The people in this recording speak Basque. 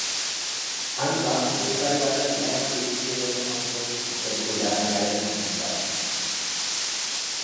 Antza, egunkari batean iragarkia ikusi ondoren joan zen ustezko iragarlearen kontsultara.